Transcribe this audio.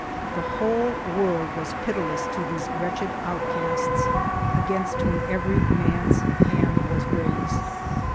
1 The whole world was pitiless to these wretched outcasts, against whom every man's hand was raised.